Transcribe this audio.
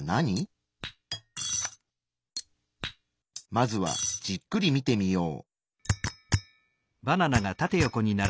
まずはじっくり見てみよう。